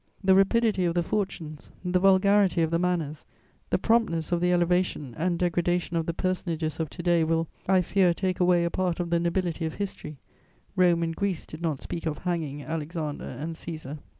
The rapidity of the fortunes, the vulgarity of the manners, the promptness of the elevation and degradation of the personages of to day will, I fear, take away a part of the nobility of history: Rome and Greece did not speak of "hanging" Alexander and Cæsar.